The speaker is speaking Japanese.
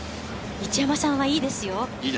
一山さんは、いいですよ。